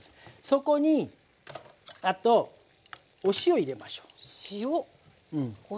そこにあとお塩入れましょう。